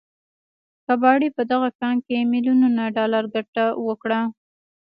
کباړي په دغه کان کې ميليونونه ډالر ګټه وكړه.